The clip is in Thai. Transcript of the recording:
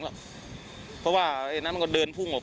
กู้ภัยก็เลยมาช่วยแต่ฝ่ายชายก็เลยมาช่วย